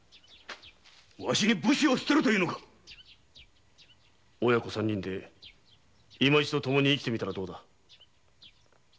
ワシに武士を捨てろと言うのか⁉親子三人でいま一度ともに生きてみたらどうだ。